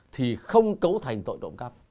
thì không cấu thành tội trộm cấp